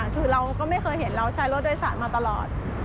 คือเราก็ไม่เคยเห็นเราใช้รถโดยสารมาตลอด